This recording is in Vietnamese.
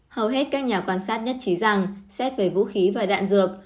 hầu hết các nhà quan sát nhất trí rằng xét về vũ khí và đạn dược